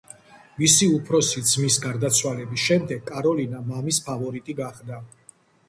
მისი უფროსი ძმის გარდაცვალების შემდეგ, კაროლინა მამის ფავორიტი გახდა.